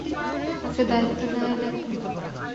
কাউকে দায়িত্ব নেয়াই লাগবে।